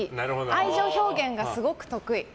愛情表現がすごく得意。